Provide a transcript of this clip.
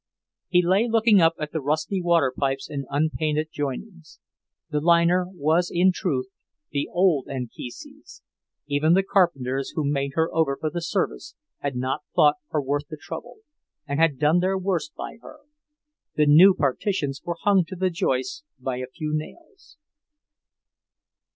He lay looking up at the rusty water pipes and unpainted joinings. This liner was in truth the "Old Anchises"; even the carpenters who made her over for the service had not thought her worth the trouble, and had done their worst by her. The new partitions were hung to the joists by a few nails.